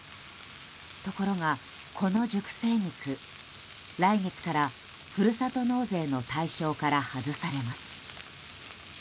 ところが、この熟成肉来月からふるさと納税の対象から外されます。